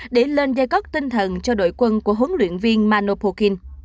để lên giai cấp tinh thần cho đội quân của huấn luyện viên mano pukin